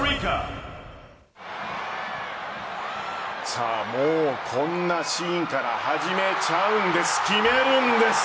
さあ、もうこんなシーンから始めちゃうんです。